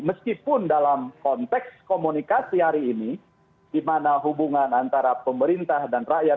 meskipun dalam konteks komunikasi hari ini di mana hubungan antara pemerintah dan rakyat